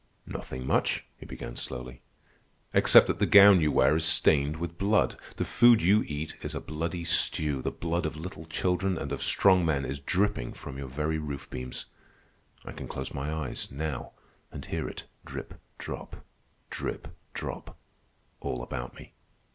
"Nothing much," he began slowly, "except that the gown you wear is stained with blood. The food you eat is a bloody stew. The blood of little children and of strong men is dripping from your very roof beams. I can close my eyes, now, and hear it drip, drop, drip, drop, all about me."